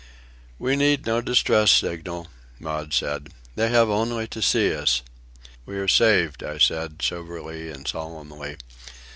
"We need no distress signal," Maud said. "They have only to see us." "We are saved," I said, soberly and solemnly.